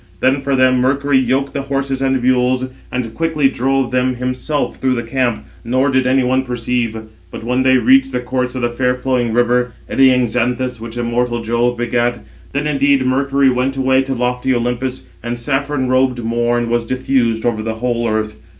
Then for them Mercury yoked the horses and mules, and quickly drove them himself through the camp, nor did any one perceive. But when they reached the course of the fair flowing river, eddying Xanthus, which immortal Jove begat, then indeed Mercury went away to lofty Olympus; and saffron robed Morn was diffused over the whole earth.